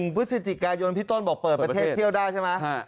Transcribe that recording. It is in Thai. พฤศจิกายนพี่ต้นบอกเปิดประเทศเที่ยวได้ใช่ไหม